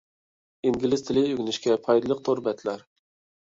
ئىنگلىز تىلى ئۆگىنىشكە پايدىلىق تور بەتلەر.